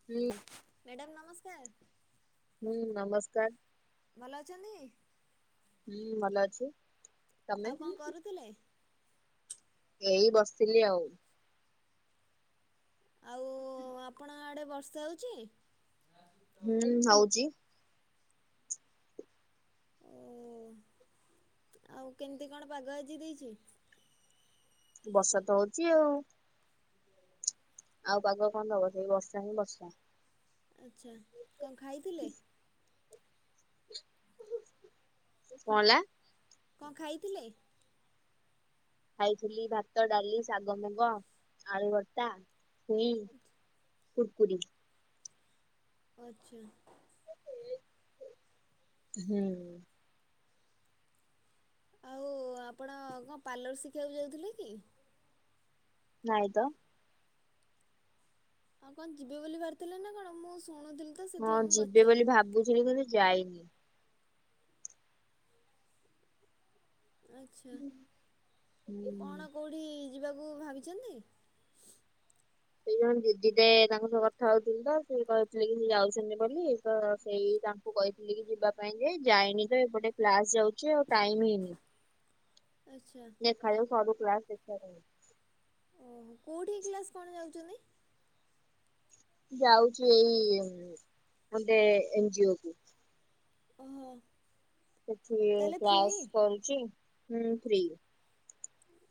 [unintelligible] Madam ନମସ୍କାର। ହୁଁ, ନମସ୍କାର। ଭଲ ଅଛନ୍ତି? ହୁଁ, ଭଲ ଅଛି। ତମେ ଆଉ କଣ କରୁଥିଲେ? ଏଇ ବସିଥିଲି ଆଉ। ଆଉ ଆପଣଙ୍କ ଆଡ଼େ ବର୍ଷା ହଉଚି? ହୁଁ, ହଉଚି। ଓ, ଆଉ କେମିତି କଣ ପାଗ ଆଜି ଦେଇଚି? ବର୍ଷା ତ ହଉଚି ଆଉ। ଆଉ ପାଗ କଣ ଦବ ସେଇ ବର୍ଷା ହିଁ ବର୍ଷା। ଆଚ୍ଛା। କଣ ଖାଇଥିଲେ? କଣ ହେଲା? କଣ ଖାଇଥିଲେ? ଖାଇଥିଲି ଭାତ, ଡାଲି, ଶାଗ ମୁଗ, ଆଳୁ ଭର୍ତା, ଛୁଇଁ। କୁର୍କୁରି। ଆଚ୍ଛା। ହୁଁ। ଆଉ ଆପଣ କଣ ପାର୍ଲର ଶିଖିବାକୁ ଯାଉଥିଲେ କି? ନାଇଁ ତ। ଆଉ କଣ ଯିବେ ବୋଲି ଭାରିଥିଲେ ନା କଣ? ମୁଁ ଶୁଣୁଥିଲି। ତ ହଁ ସେଥିପାଇଁ ମୁଁ ଯିବେ ପଚାରିଲି ବୋଲି ଭାବୁଥିଲି, କିନ୍ତୁ ଯାଇନି। ଆଛା, ହୁଁ କଣ କୋଉଠି ଯିବାକୁ ଭାବିଛନ୍ତି? ସେଇ ଜଣ ଦିଦି ଟେ ତାଙ୍କ ସହ କଥା ହଉଥିଲି ତ, ସେ କହିଥିଲେ କି ସେ ଯାଉଛନ୍ତି ବୋଲି, ତ ସେଇ ମୁଁ କହିଥିଲି କି ଯିବା ପାଇଁ ଯେ, ଯାଇନି ତ ଏପଟେ କ୍ଲାସ ରହୁଛି, ଆଉ ଟାଇମ ହେଇନି। ଆଛା। ଦେଖାଯାଉ ସରୁ କ୍ଲାସ ଦେଖା ଓହୋ, କୋଉଠି କି କ୍ଲାସ କଣ ଯାଉଛନ୍ତି? ଯାଉଛି ଏଇ ଗୋଟେ ଏନଜିଓ କୁ। ଓହୋ। ସେଠି ତାହେଲେ କ୍ଲାସ ଫ୍ରି କରୁଚି, ହୁଁ, ଫ୍ରି।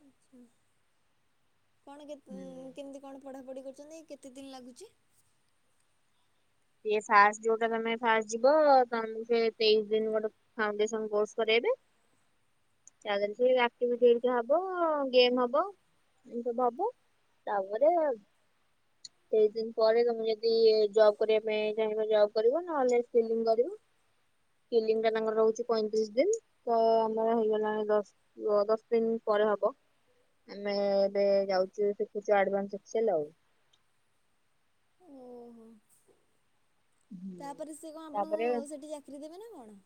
ଆଛା, କଣ କେ ହୁଁ କେମିତି କଣ ପଢ଼ାପଢ଼ି କରୁଛନ୍ତି କେତେ ଦିନି ଲାଗୁଛି। ଏ ଫାର୍ଷ୍ଟ ରୁ ତମେ ଫା ଯିବ ତମକୁ ସେ ତେଇଶି ଦିନ ଗୋଟେ ଫାଉଣ୍ଡେସନ କୋର୍ସ କରାଇବେ। ତା ଦେହରେ ସିଏ ଆକ୍ଟଭିଟି ହେରିକା ହବ, ଗେମ୍ ହବ। ଏମିତି ସବୁ ହବ, ତାପରେ ତେଇଶ୍ ଦିନ୍ ପରେ ତମୁକୁ ଯଦି ଇଏ ଜବ୍ କରିବା ପାଇଁ ଚାହିଁବ ଜବ୍‌ କରିବ, ନ ହେଲେ ଫିଲିଂ କରିବ। ଫିଲିଙ୍ଗଟା ତାଙ୍କର ରହୁଛି ପଇଁତିରିଶ୍ ଦିନ୍, ତ ଆମର ହେଇଗଲାଣି ଦଶ୍ [unintelligible] ଦଶ୍ ଦିନ୍ ପରେ ହବ। ଆମେ ଏବେ ଯାଉଚୁ ଶିଖୁଛୁ ଆଡଭାନ୍ସ ଏକ୍ସସେଲ୍‌ ଆଉ। ଓହୋ ହୁଁ। ତାପରେ ସେ କଣ ତାପରେ ଆପଣଙ୍କୁ ସେଠି ଚାକିରି ଦେବେ ନା କଣ?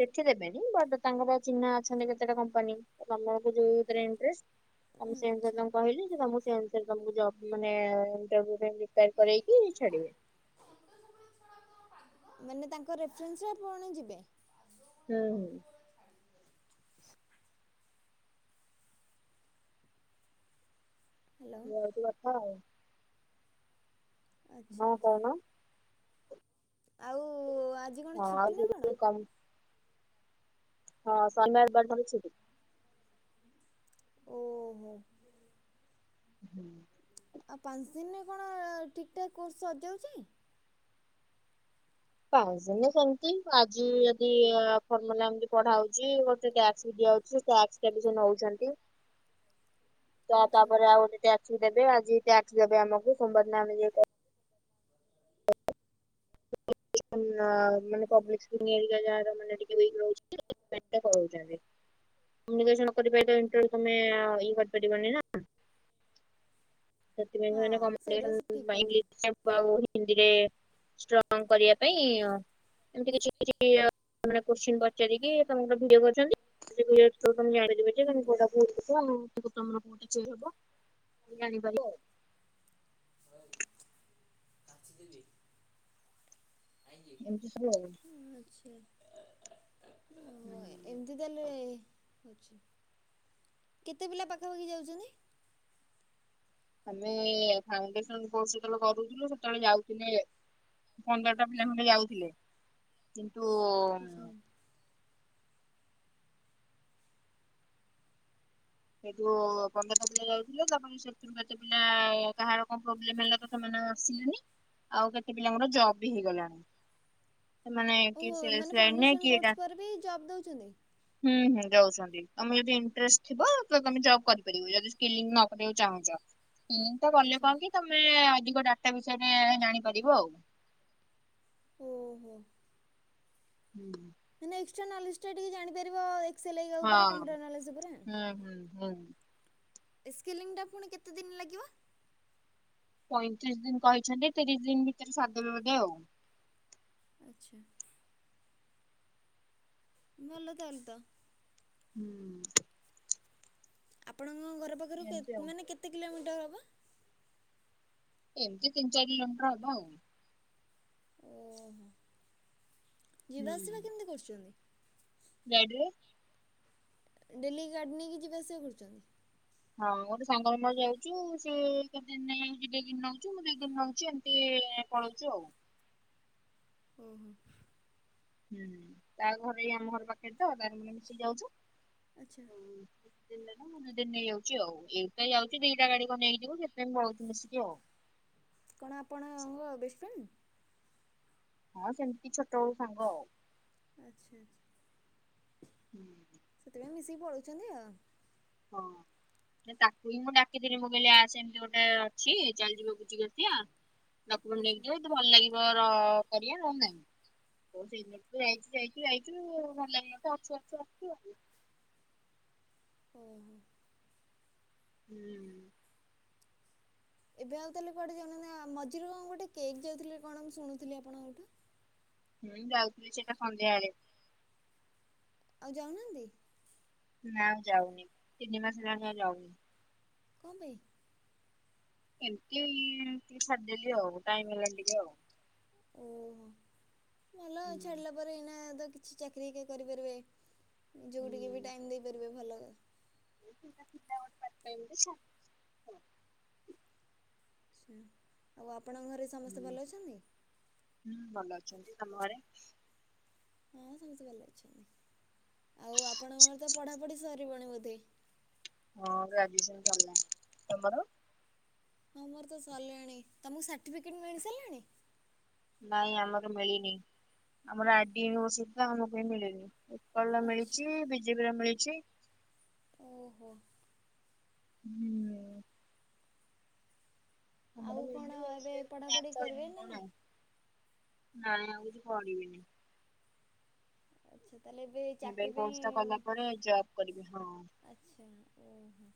ସେଠି ଦେବେନି, ବଟ୍ ତାଙ୍କର ଚିହ୍ନା ଅଛନ୍ତି କେତେଟା କମ୍ପାନୀ ତମକୁ ଯୋଉଥିରେ ଇଣ୍ଟରେଷ୍ଟ ତମେ ସେଇ ଅନୁସାରେ ଆଚ୍ଛା ତାଙ୍କୁ କହିଲି, ସେ ତମକୁ ସେଇ ଅନୁସାରେ ସେ ତମକୁ ଜବ୍ ମାନେ ତାକୁ ବୋଧେ ରିଟଟ୍ କରେଇକି ଛାଡିବେ। ମାନେ ତାଙ୍କ ରିଫ୍ରେରେନ୍ସ ରେ ଆପଣ ଯିବେ? ହୁଁ ହୁଁ। ହ୍ୟାଲୋ ଇଏ ହୋଉଚି କଥା ଆଉ। ଆଛା ହଁ ଆଛା। କହୁନ ଆଉ ଆଜି କଣ ହଁ ଆଉ ଛୁଟି ନା କଣ? ସେଠି କମ୍ ହଁ ଶନିବାର୍ ପାଖରୁ ଛୁଟି। ଓ ହୋ। ହୁଁ ଆଉ ପାଞ୍ଚ୍ ଦିନ୍ ରେ କଣ ଠିକ୍ ଠାକ୍ କୋର୍ସ ସରିଯାଉଛି? ପାଞ୍ଚ ଦିନିରେ ସେମତି, ଆଜି ଯଦି ଫର୍ମୁଲା ଏମିତି ପଢାଉଛି ଗୋଟେ ଟାକ୍ସ ବି ଦିଆହଉଛି। ଟ୍ୟାସ୍କ କାଲି ସେ ନଉଚନ୍ତି। [inaudible] ତା ତାପରେ ଆଉ ଗୋଟେ ଟ୍ୟାକ୍ସବି ଦେବେ, ଆଜି ଟ୍ୟାକ୍ସ ଦେବେ ଆମକୁ, ସୋମବାର ଦିନ ଆମେ ଯିଏ କ [inaudible] ମନ ମାନେ ପବ୍ଲିକ ସ୍କୁଲ ନେଇଁକା ଯାହାର ମାନେ ଟିକେ ଉଇକ୍‌ ରୋଉଚି ସେଥିପାଇଁକା ପଳୋଉଚନ୍ତି। ନିବେଶ ନ କରି ପାଇଲେ ଇଣ୍ଟରବିଉ ତମେ ଇଏ କରି ପାରିବନି ନା? ସେଥିପାଇଁ ହଁ ହୁଏନା ସେଇଟା ଠିକ୍ କଥା କୋମ୍ୟୁନିକେସନ [inaudible] ଆଉ ହିନ୍ଦୀରେ ଷ୍ଟ୍ରଙ୍ଗ କରିବା ପାଇଁ ଅଁ ଏମତି କିଛି କିଛି ମାନେ କୋଶ୍ଚିନ୍‌ ପଚାରିକି ତମକୁ କୁ ଭିଡିଓ କରୁଚନ୍ତି ସେଉଠୁ ତମେ ଜାଣିଦେବ ଯେ ହୁଁ -ତମେ କୋଉଟା ଭୁଲ୍ କରିଚ କିନ୍ତୁ ତମର କୋଉଟା ଚୋର୍ ହବ ତମେ ଜାଣିପାରିବ ଆଉ। ହୋଏ କାଚି ଦେବି। ଏମିତି ସବୁ ଉଁ ଆଚ୍ଛା। ଉଁ। ଏମ୍‌ତି ତାହେଲେ ହୋଉଛି। କେତେ ପିଲା ପାଖାପାଖି ଯାଉଚନ୍ତି? ଆମେ ଫାଉଣ୍ଡେସନ୍ କୋର୍ସ ଯେତୋଳେ କରୁଥୁଲୁ ସେତୋଳେ ଯାଉଥୁଲେ ପନ୍ଦରଟା ପିଲା ଖଣ୍ଡେ ଯାଉଥୁଲେ କିନ୍ତୁ ଏଠୁ ପନ୍ଦରଟା ପିଲା ଯାଉଥିଲେ ତା ପରେ ସେଥୁରୁ କେତେ ପିଲା କାହାର କଁ ପ୍ରୋବ୍ଲେମ୍ ହେଲା ତ ସେମାନେ ଆଉ ଆସିଲେନି। ଆଉ କେତେ ପିଲାଙ୍କର ଜବ୍ ବି ହେଇଗଲାଣି। ହେମାନେ କିଏ ଓହୋ ସେ ମାନେ ସ୍ବାଇନେ ଫାଉଣ୍ଡେସନ କିଏ କୋର୍ସ ଗା ପରେ ବି ଜବ୍ ଦେଉଛନ୍ତି? ହୁଁ ହୁଁ ଦଉଛନ୍ତି ତମେ ଅଦି ଇଣ୍ଟରେଷ୍ଟ ଥିବ ତ ତମେ ଜବ୍ କରିପାରିବୁ ଯଦି ସ୍କଲିଙ୍ଗ୍ ନ କରିବାକୁ ଚାହୁଁଚ। ସ୍କଲିଙ୍ଗ୍ ଟା କଲେ ଆଚ୍ଛା। କଁ କି ତମେ ତ ତେ ଅଧିକ ଡାଟା ବିଷୟରେ ଆମେ ଜାଣିପାରିବୁ ଆଉ। ଓହୋ। ହୁଁ ମାନେ ଏକ୍ସଟ୍ରା ନଲେଜ୍ ଟା ଟିକେ ଜାଣି ପାରିବ ଏକ୍ସଲ୍ ହେଇକା ଓପରେ କମ୍ପ୍ୟୁଟର୍ ନଲେଜ୍ ଓପରେ। ହୁଁ ହୁଁ ହଁ। ଏସ୍କେିଲିଙ୍ଗ୍ ଟା ପୁଣି କେତେ ଦିନ ଲାଗିବ? ପଇଁତିରିଶ୍ ଦିନ୍ କହିଛନ୍ତି ତିରିଶ୍ ଦିନ୍ ଭିତରେ ସାରିଦେବେ ବୋଧ ଆଉ। ଆଚ୍ଛା। ଭଲ ତାହେଲେ ତ। ହୁଁ। ଆପଣଙ୍କ ଘର ପାଖରୁ କେ ଏମତି ଆଉ ମାନେ କେତେ କିଲୋମିଟର୍ ହବ? ଏମତି ତିନି ଚାରି କିଲୋମିଟର୍ ହବ ଆଉ। ଓହୋ ଯିବା ଆସିବା କେମତି କରୁଚନ୍ତି? ଗାଡ଼ିରେ। ଡେଲି ଗାଡ଼ି ନେଇକି ଯିବା ଆସିବା କରୁଚନ୍ତି? ହଁ ଗୋଟେ ସାଙ୍ଗର ମୋର ଯାଉଚୁ ସିଏ କେତେ ଦିନ ନେଇଆଉଚି ଦି ଦିନର ନଉଚୁ ମୁଁ ଦି ଦିନ ନଉଚି ଏମତି ପଳଉଚୁ ଆଉ। ଓହୋ। ତା ଘର ଏଇ ଆମ ଘର ପାଖେରେ ତ ତାର ମୋର ମିଶିକି ଯାଉଚୁ। ଆଚ୍ଛା। ଏ ଦି ଦିନ ନେଲେ ମୁଁ ଦି ଦିନ ନେଇଯାଉଚି ଆଉ ଏ ତାଇ ଯାଉଚି ଦିଟା ଗାଡ଼ି କ ନେଇକି ଯିବୁ ସେଥିପାଇଁ ପଳଉଚୁ ମିଶିକି ଆଉ। କଣ ଆପଣଙ୍କ ବେଷ୍ଟ ଫେନ୍? ହଁ ସେମତି ଛୋଟ ଅଳୁ ସାଙ୍ଗ ଆଉ। ଆଚ୍ଛା ଆଚ୍ଛା ସେଥିପାଇଁ ମିଶିକି ପଳଉଚନ୍ତି ଆଉ। ଦେ ତାକୁ ହିଁ ମୁଁ ଡାକିଥିଲି ମୁଁ କହିଲି ଆସେ ଏମତି ଗୋଟେ ଛି ଚାଲଯିବା ବୁଝିକି ଆସିଆ ଡକୁମେଣ୍ଟ୍ ଆଚ୍ଛା ନେଇକିଯିବ ଦି ଭଲ ଲାଗିବ ର କରିଆ ନଅଲେ ନାଇଁ। ଓ ସେଇ ଦିନଠୁ ଯାଇଚୁ ଯାଇଚୁ ଯାଇଚୁ ଭଲ ଲାଗିଲା ତ ଅଛୁ ଅଛୁ ଅଛୁ ଆଉ। ଓହୋ। ହୁଁ। ଏବେ ଆଉ ତାହେଲେ କୁଆଡ଼େ ଯାଉନାହାନ୍ତି। ଆ ମଝିରେ କଁ ଗୋଟେ କେକ୍ ଯାଉଥୁଲେ କଣ ମୁଁ ଶୁଣୁଥୁଲି ଆପଣଙ୍କଠୁ। ହୁଁ ଯାଉଥିଲି ସେଇଟା ସନ୍ଧ୍ୟାଏଳେ। ଆଉ ଯାଉନାହାନ୍ତି? ନାଁ ଆଉ ଯାଉନି ତିନି ମାସ ହେଲାଣି ଆଉ ଯାଉନି। କଁ ପାଇଁ? ଏମତି ଟିକେ ଛାଡ଼ିଦେଲି ଆଉ ଟାଇମ୍ ହେଲାନି ଟିକେ ଆଉ। ଓହୋ ଭଲ ହୁଁ ଆଉ ଛାଡ଼ିଲା ପରେ ଏଇନା ତ କିଛି ଚାକିରୀକେ କରିପାରିବେ ଯୋଉଠିକି ବି ଟାଇମ୍ ଦେଇପାରିବେ ଭଲ। ହେଟା ଥିଲା ଗୋଟିଏ ପାଟ୍ ଟାଇମ୍ ଟେ ଛା ସେୟା ଆଉ ଆପଣଙ୍କ ଘରେ ସମସ୍ତେ ଭଲ ଅଛନ୍ତି? ହୁଁ ଭଲ ଅଛନ୍ତି ତମ ଘରେ? ହଁ ସମସ୍ତେ ଭଲ ଅଛନ୍ତି। ଆଉ ଆପଣଙ୍କର ତ ପଢାପଢି ସରିବଣି ବୋଧେ। ହଁ ଗ୍ରାଜୁଏସନ୍ ସିରିଲା ତମର? ହଁ ମୋର ତ ସରିଲାଣି ତମକୁ ସାର୍ଟିଫିକେଟ ମିଳିସାରିଲାଣି? ନାଇଁ ଆମର ମିଳିନି ଆମର ଆର୍ଡି ୟୁନିଭର୍ ସିଟି ତ ଆମକୁ ମିଳିନି। ଉତ୍କଳ ର ଆଚ୍ଛା ମିଳିଚି ବିଜେପି ର ମିଳିଚି। ଓହୋ। ହୁଁ। ଆଉ ଆମର କଣ ମିଳିନି ଏବେ ମିଳିଲେ କ୍ଲାସ ପଢ଼ାପଢ଼ି କରିବେ କରିବି ନା କଣ? ନାଇଁ? ନାଇଁ ଆଉ କିଛି ପଢିବିନି। ଆଚ୍ଛା ତାହାଲେ ଏବେ ଏଇ ଚାକିରୀ କୋର୍ସ ଟା ପାଇଁ କଲା ପରେ ଜବ୍ କରିବି ହଁ। ଆଚ୍ଛା ଓହୋ।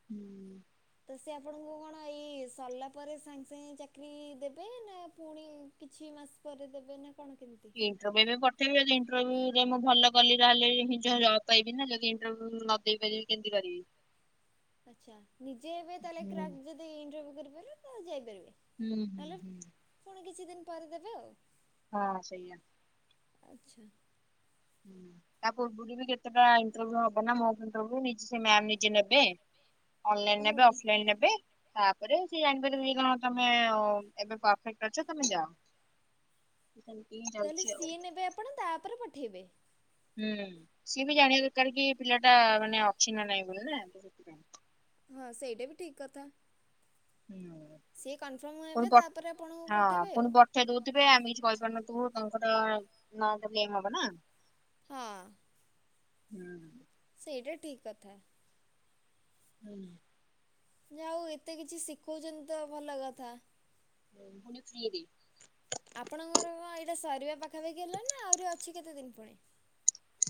ହୁଁ। ତ ସେ ଆପଣଙ୍କୁ କଣ ଏଇ ସରିଲା ପରେ ସାଙ୍ଗେ ସାଙ୍ଗେ ଚାକିରୀ ଦେବେ ନା ପୁଣି କିଛି ମାସ ପରେ ଦେବେ ନା କଣ କେମିତି? ଇନଣ୍ଟରଭ୍ୟୁ ରେ ପଠେଇବେ ଯଦି ଇନଣ୍ଟରଭ୍ୟୁ ମୁଁ ଭଲ କଲି ତାହେଲେ ହେଇଯିବ ଜବ୍। ପାଇବି ନା ଯଦି ଇନଣ୍ଟରଭ୍ୟୁ ନଦେଇ ପାରିବି କେମିତି କରିବି। ଆଚ୍ଛା ନିଜେ ଏବେ ତାହେଲେ ହୁଁ। କ୍ରାକ୍ ଯଦି ଇଣ୍ଟରଭ୍ୟୁ କରିପାରିବେ ତାହେଲେ ଯାଇପାରିବେ। ହୁଁ ହୁଁ ହୁଁ। ଫୁଣି କିଛିଦିନ ପରେ ଦେବେ ଆଉ। ହଁ ସେଇଆ। ଆଚ୍ଛା। ହୁଁ ତା ପୂର୍ବୁ ଜିବି କେତେଟା ଇଣ୍ଟରଭ୍ୟୁ ହବ ନା ମଗ୍ ଇଣ୍ଟରଭ୍ୟୁ ନିଜେ ସେ ମ୍ୟାମ ନିଜେ ନେବେ। ଅନଲାଇନ୍ ନେବେ ହଉନି। ଅଫଲାନ୍‌ ନେବେ। ତାପରେ ସିଏ ଜାଣିପାରିବେ କି କଣ ତମେ ଏବେ ପରଫେକ୍ଟ ଅଛ ତମେ ଯାଅ। ହାଲ୍ କେଇ ତାହେଲେ ସିଏ ନେବେ ଆପଣେ ତାପରେ ପଠେଇବେ ହୁଁ ସିଏ ବି ଜାଣିବା ଦରକାର କି ଏ ପିଲାଟା ମାନେ ଅଛି ନା ନାଇଁ ବୋଲି ନା ସେଥିପାଇଁ। ହଁ ସେଇଟା ବି ଠିକ୍ କଥା। ହୁଁ ସିଏ କନଫର୍ମ ହେବେ ପୁଣି ପ ତାପରେ ଆପଣଙ୍କୁ ହଁ ପଠେଇବେ ଆଉ ପୁଣି ପଠେଇ ଦୋଉଥିବେ ଆମେ କିଛି କହିପାରୁନଥିବୁ। ତାଙ୍କର ନାଁ ଟା ବ୍ଲେମ୍ ହବ ନା। ହଁ। ହୁଁ। ସେଇଟା ଠିକ୍ କଥା। ହୁଁ। ଯାହା ହୋଉ ଏତେ କିଛି ସିକୋଉଛନ୍ତି ତ ଭଲ କଥା। ଫୁଣି ଫ୍ରି ଇଏ ଦେ ଆପଣଙ୍କର କଣ ଏଇଟା ସରିବା ପାଖାପାଖି ହେଲାଣି ନା ଆହୁରି ଅଛି କେତେଦିନ ପୁଣି?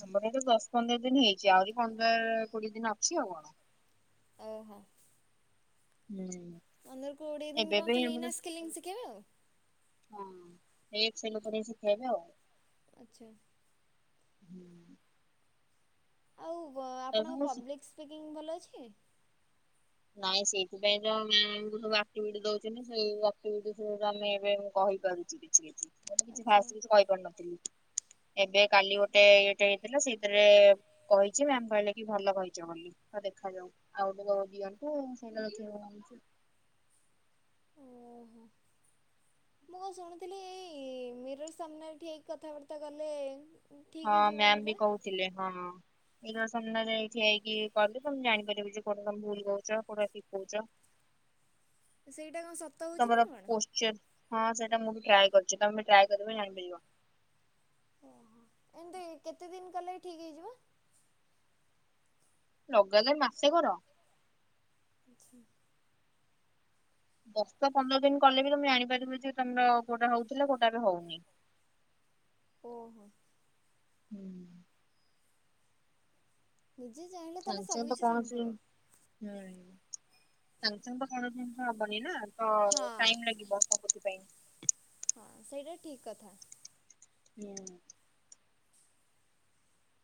ଆମର ଏବେ ଦଶ ପନ୍ଦର ଦିନ ହେଇଚି ଆହୁରି ପନ୍ଦର କୋଡିଏ ଦିନ ଅଛି ଆଉ କଣ। ଓହୋ। ହୁଁ। ପନ୍ଦର କୋଡିଏ ଦିନ ଏବେ କଣ ବି ଖାଲି ଆମର ଏଇନା ସ୍କିଲିଙ୍ଗି ଶିଖେଇବ? ହଁ ଏଇ ସେ ଲୋକ ଶିଖେଇବେ ଆଉ। ଆଚ୍ଛା। ହୁଁ। ଆଉ ତା ଆପଣଙ୍କ ମୁଁ ପବ୍ଲିକ୍ ସ୍ପିକିଙ୍ଗ ଭଲ ଅଛି? ନାଇଁ ସେଇଥିପାଇଁ ତ ମ୍ୟାମ ଆମୁକୁ ସବୁ ଆକ୍ଟିଭିଟି ଦୋଉଛନ୍ତି ସେଇ ଆକ୍ଟିଭିଟି ଆମେ ଏବେ କହିପାରୁ କି କିଛି କିଛି ମୁଁ ତ କିଛି ଆଚ୍ଛା ଫାଷ୍ଟରୁ କିଛି କହିପାରୁନଥିଲି ଏବେ କାଲି ଗୋଟେ ଇଏଟେ ହେଇଥିଲା ସେଇଥିରେ କହିଚି ମ୍ୟାମ କହିଲେ କି ଭଲ କହିଚ ବୋଲି। ତ ଦେଖାଯାଉ ଆଉ ଗୋଟେ ଦିଅନ୍ତୁ ସେଇଟା ରଖି ଓ ହୋ ମୁଁ କଣ ଶୁଣୁଥିଲି ଏଇ ମିରର ସାମ୍ନାରେ ଠିଆ ହେଇ କଥାବାର୍ତ୍ତା କଲେ ଠିକ୍ ହଁ ହେଇଯିବ ବୋଲି ମ୍ୟାମ ବି କଣ କହୁଥିଲେ ହଁ ମିରର ସାମ୍ନାରେ ଠିଆ ହେଇକି କଲେ ତମେ ଜାଣିପାରିବ ଯେ କୋଉଟା ତମେ ଭୁଲ କହୁଚ କୋଉଟା ଠିକ୍ କହୁଚ ସେଇଟା କଣ ସତ ହଉଚି ତମର ନା କଣ? ପୋଶ୍ଚର ହଁ ସେଇଟା ମୁଁ ବି ଟ୍ରାଏ କରିଚି ତମେ ଟ୍ରାଏ କରିବ ଜାଣିପାରିବ। ଓ ହୋ ଏମତି କେତେଦିନ କଲେ ଠିକ୍ ହେଇଯିବ? ଲଗାତର ମାସେ କର। ଆଚ୍ଛା ଦଶ ପନ୍ଦରଦିନ କଲେ ବି ତମେ ଜାଣିପାରିବ ଯେ ତମର କୋଉଟା ହଉଥିଲା କୋଉଟା ଏବେ ହଉନି। ଓ ହୋ ହୁଁ ନିଜେ ଚାହିଁଲେ ତାହେଲେ ସାଙ୍ଗେ ସାଙ୍ଗେ ତ ସବୁକିଛି କୌଣସି ସମ୍ଭବ। ହୁଁ ସାଙ୍ଗେ ସାଙ୍ଗେ ତ କୌଣସି ଜିନିଷ ହବନି ନା ତ ହଁ ଟାଇମ ଲାଗିବ କଉଁଥିପାଇଁ ହଁ ସେଇଟା ଠିକ୍ କଥା। ହଁ।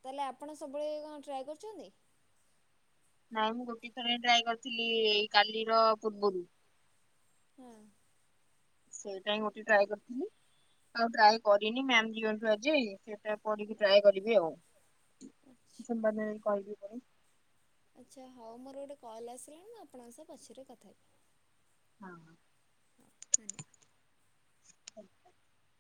ତାହେଲେ ଆପଣ ସବୁବେଳେ କଣ ଟ୍ରାଏ କରୁଛନ୍ତି? ନାଇଁ ମୁଁ ଗୋଟିିଏ ଥର ହିଁ ଟ୍ରାଏ କରିଥିଲି ଏଇ କାଲିର ପୂର୍ବରୁ। ହଁ ସେଇଟା ହିଁ ଗୋଟେ ଟ୍ରାଏ କରିଥିଲି। ଆଉ ଟ୍ରାଏ କରିନି ମ୍ୟାମ [unintelligible] ଯେ ସେଟା ପଢିକି ଟ୍ରାଏ କରିବି ଆଉ। ଆଚ୍ଛା ସେମାନେ କହିବେ ପୁଣି। ଆଚ୍ଛା ହଉ ମୋର ଗୋଟେ କଲ୍ ଆସିଲାଣି ମୁଁ ଆପଣଙ୍କ ସହ ପଛରେ କଥା ହେବି। ହଁ ହଉ ଧନ୍ୟବାଦ। [inaudible]